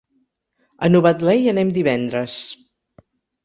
A Novetlè hi anem divendres.